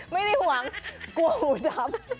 ไม่ได้ห่วงกลัวหูจำ